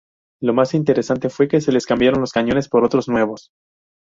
Lo más interesante fue que se les cambiaron los cañones por otros nuevos.